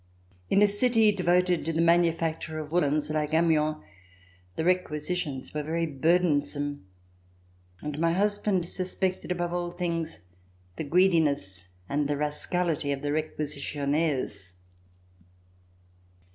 In a city devoted to the manufacture of woolens, like Amiens, the requisitions were very burdensome, and my husband suspected above all things the greediness and the rascality of the requisitionnaires